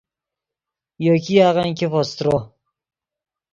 یو ګیاغن ګیفو سترو